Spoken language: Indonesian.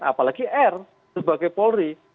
apalagi r sebagai polri